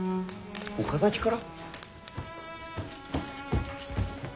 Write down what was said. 岡崎から？